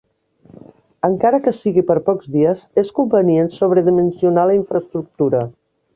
Encara que sigui per pocs dies, és convenient sobredimensionar la infraestructura.